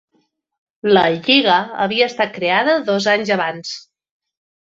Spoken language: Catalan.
La lliga havia estat creada dos anys abans.